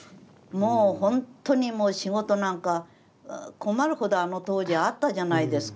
もう本当にもう仕事なんか困るほどあの当時あったじゃないですか。